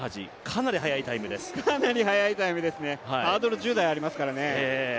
かなり速いタイムですね、ハードル１０台ありますからね。